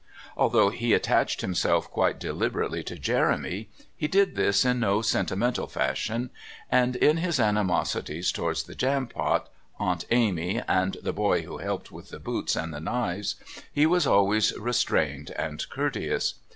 Although he attached himself quite deliberately to Jeremy, he did this in no sentimental fashion, and in his animosities towards the Jampot, Aunt Amy and the boy who helped with the boots and the knives, he was always restrained and courteous.